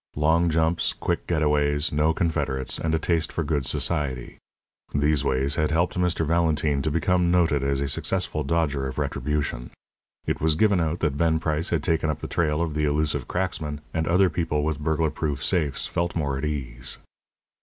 Long jumps, quick get aways, no confederates, and a taste for good society these ways had helped Mr. Valentine to become noted as a successful dodger of retribution. It was given out that Ben Price had taken up the trail of the elusive cracksman, and other people with burglar proof safes felt more at ease.